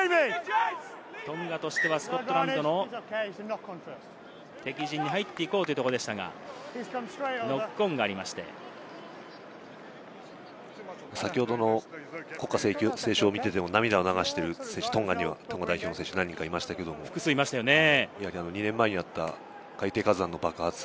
トンガとしてはスコットランドの敵陣に入っていこうというところでしたが、ノックオンがありまして、先ほどの国歌斉唱を見ていても涙を流している選手が、トンガ代表には何人もいましたけど、２年前にあった海底火山の爆発。